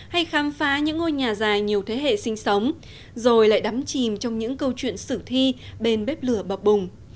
hay khám phá những ngôi nhà dài nhiều thế hệ sinh sống rồi lại đắm chìm trong những câu chuyện sử thi bên bếp lửa bập bùng